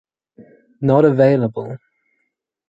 Not available